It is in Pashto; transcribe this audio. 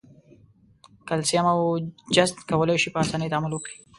کلسیم او جست کولای شي په آساني تعامل وکړي.